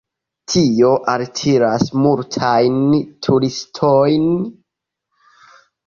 Tio altiras multajn turistojn.